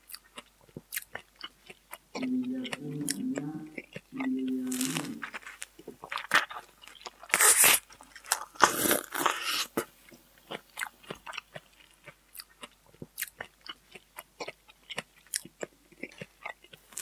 Uwillakuna ña killuyanahun.